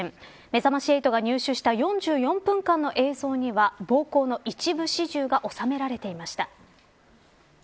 めざまし８が入手した４４分間の映像には暴行の一部始終が収められていました。